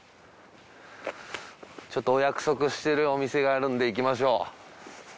ちょっとお約束してるお店があるんで行きましょう。